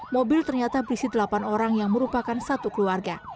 mobil ternyata berisi delapan orang yang merupakan satu keluarga